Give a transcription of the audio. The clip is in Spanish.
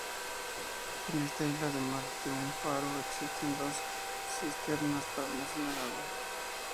En esta isla además de un faro, existen dos cisternas para almacenar agua.